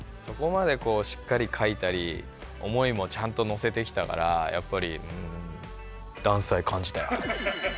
そこまでこうしっかりかいたり思いもちゃんとのせてきたからやっぱりうんダンス愛感じたよ。